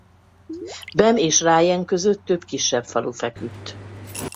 Bam és Rájen között több kisebb falu feküdt.